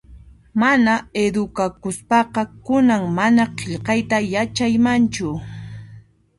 Mana edukakuspaqa kunan mana qillqayta yachaymanchu